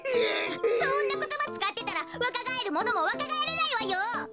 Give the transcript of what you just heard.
そんなことばつかってたらわかがえるものもわかがえらないわよ！